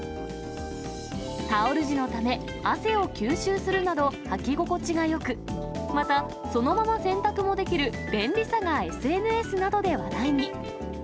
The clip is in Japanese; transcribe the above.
タオル地のため、汗を吸収するなど、履き心地がよく、また、そのまま洗濯もできる便利さがＳＮＳなどで話題に。